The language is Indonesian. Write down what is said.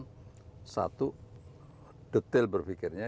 sebuah persoalan satu detail berpikirnya